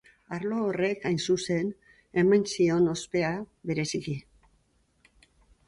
Arlo horrek, hain zuzen, eman zion ospea bereziki.